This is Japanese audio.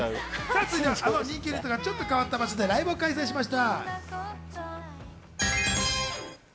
続いてはあの人気ユニットがちょっと変わった場所でライブを開催しました。